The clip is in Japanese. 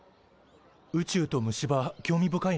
宇宙と虫歯興味深いね。